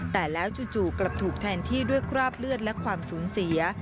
แต่แล้วจู่กลับถูกแทนที่ด้วยคราบเลือดและความสูญเสีย